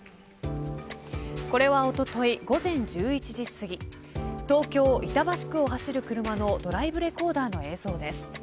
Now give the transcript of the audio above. これはおととい午前１１時すぎ東京、板橋区を走る車のドライブレコーダーの映像です。